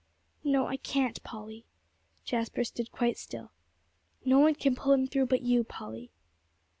"No, I can't, Polly." Jasper stood quite still. "No one can pull him through, but you, Polly."